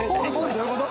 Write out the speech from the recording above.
どういうこと？